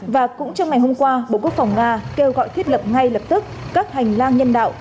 và cũng trong ngày hôm qua bộ quốc phòng nga kêu gọi thiết lập ngay lập tức các hành lang nhân đạo